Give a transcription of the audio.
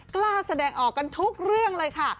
กล้าแสดงออกกันทุกเรื่องเลยค่ะ